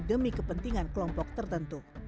demi kepentingan kelompok tertentu